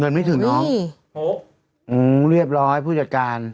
อย่างนี้หรอเรียบร้อยผู้จัดการ